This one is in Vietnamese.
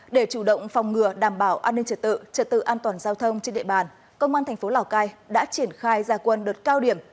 để chủ động phòng ngừa đảm bảo an ninh trật tự trật tự an toàn giao thông trên địa bàn công an thành phố lào cai đã triển khai gia quân đợt cao điểm